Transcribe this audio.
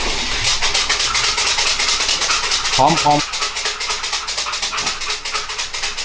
กินให้มีความสะอาด